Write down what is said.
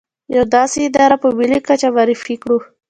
يوه داسې اداره په ملي کچه معرفي کړو.